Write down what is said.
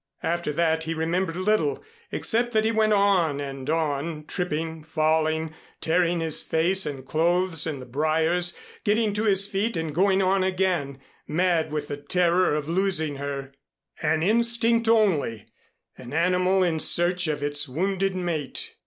After that he remembered little, except that he went on and on, tripping, falling, tearing his face and clothes in the briars, getting to his feet and going on again, mad with the terror of losing her an instinct only, an animal in search of its wounded mate.